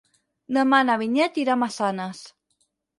Demà na Vinyet irà a Massanes.